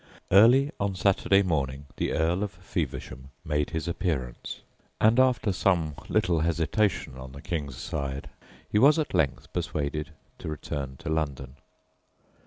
Early on Saturday morning the Earl of Feversham made his appearance; and after some little hesitation on the King's side, he was at length persuaded to return to London.